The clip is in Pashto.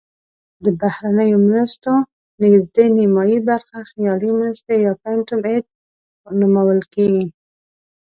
د بهرنیو مرستو نزدې نیمایي برخه خیالي مرستې یا phantom aid نومول کیږي.